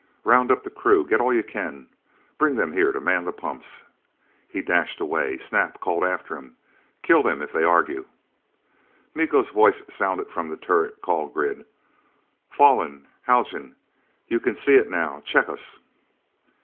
"Round up the crew. Get all you can. Bring them here to man the pumps." He dashed away. Snap called after him, "Kill them if they argue!" Miko's voice sounded from the turret call grid: "Falling! Haljan, you can see it now! Check us!"